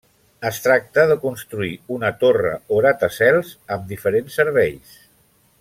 Es tracta de construir una torre o gratacels amb diferents serveis.